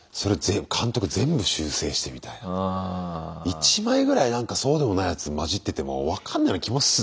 １枚ぐらいなんかそうでもないやつまじってても分かんないような気もす。